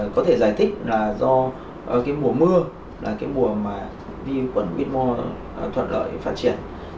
có thể giải thích là do cái mùa mưa là cái mùa mà vi khuẩn whmore thuận lợi phát triển